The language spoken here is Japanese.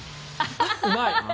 うまい！